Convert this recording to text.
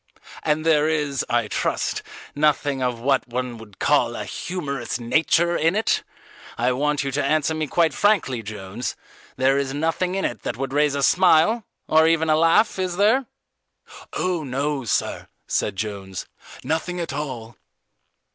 "And there is, I trust, nothing of what one would call a humorous nature in it? I want you to answer me quite frankly, Jones, there is nothing in it that would raise a smile, or even a laugh, is there?" "Oh, no, sir," said Jones, "nothing at all."